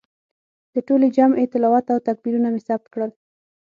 د ټولې جمعې تلاوت او تکبیرونه مې ثبت کړل.